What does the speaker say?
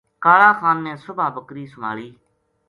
کالا خان نے صبح بکری سُمہالی